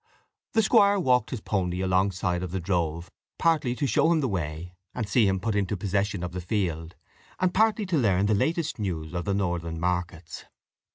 The squire walked his pony alongside of the drove, partly to show him the way, and see him put into possession of the field, and partly to learn the latest news of the northern markets.